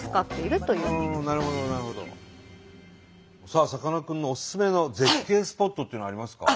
さあさかなクンのおすすめの絶景スポットっていうのはありますか？